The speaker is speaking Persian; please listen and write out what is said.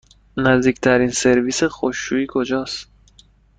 نزدیکترین سرویس خشکشویی کجاست؟